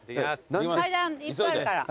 階段いっぱいあるから。